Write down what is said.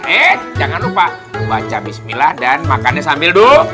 eh jangan lupa baca bismillah dan makannya sambil duduk